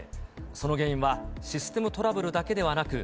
その原因はシステムトラブルだけではなく。